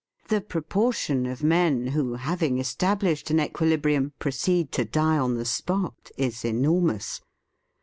The proportion of men who, hav ing established an equilibrium, proceed to die on the spot, is enormous.